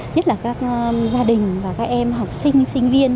nhất là các gia đình và các em học sinh sinh viên